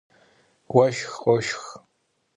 Vueşşx khoşşx.